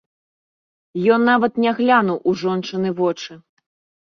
Ён нават не глянуў у жончыны вочы.